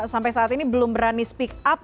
sampai saat ini belum berani sempat